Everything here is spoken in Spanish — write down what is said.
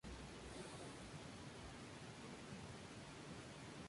Pronto lo siguió un tour junto a Kamelot y Leaves' Eyes.